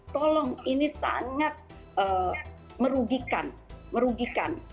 tolong ini sangat merugikan